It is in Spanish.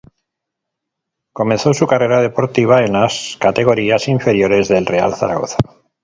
Comenzó su carrera deportiva en las categorías inferiores del Real Zaragoza.